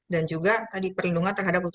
dan juga perlindungan terhadap peti